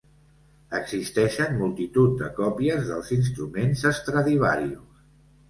Existeixen multitud de còpies dels instruments Stradivarius.